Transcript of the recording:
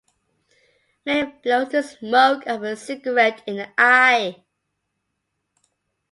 Mary blows the smoke of her cigarette in the eye.